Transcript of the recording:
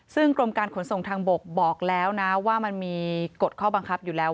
ซึ่งกรมการขนส่งทางบกบอกแล้วนะว่ามันมีกฎข้อบังคับอยู่แล้ว